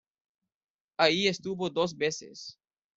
Ahí estuvo dos veces.